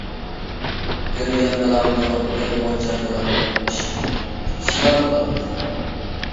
بىر يۈەن بولامدۇ، بىر موچەن بولامدۇ، ئىشقىلىپ ئۇتسىلا بولاتتى.